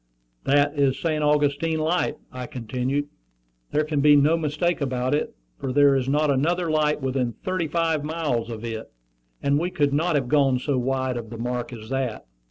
"That is St. Augustine Light," I continued. "There can be no mistake about it, for there is not another light within thirty five miles of it; and we could not have gone so wide of the mark as that."